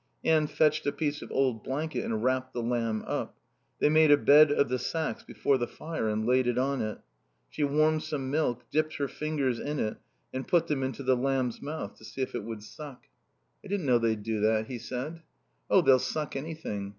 Anne fetched a piece of old blanket and wrapped the lamb up. They made a bed of the sacks before the fire and laid it on it. She warmed some milk, dipped her fingers in it and put them into the lamb's mouth to see if it would suck. "I didn't know they'd do that," he said. "Oh, they'll suck anything.